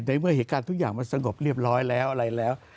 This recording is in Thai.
ในเมื่อเหตุการณ์ทุกอย่างมันสงบเรียบร้อยแล้วอะไรแล้ว